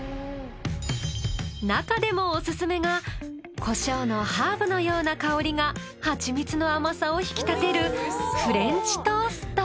なかでもおすすめがコショウのハーブのような香りが蜂蜜の甘さを引き立てるフレンチトースト。